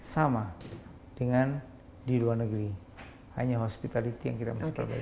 sama dengan di luar negeri hanya hospitality yang kita masukan